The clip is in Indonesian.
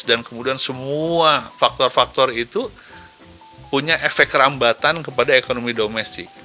dan kemudian semua faktor faktor itu punya efek rambatan kepada ekonomi domestik